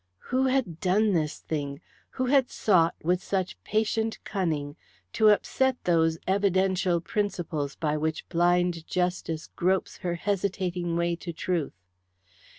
Who had done this thing? Who had sought, with such patient cunning, to upset those evidential principles by which blind Justice gropes her hesitating way to Truth?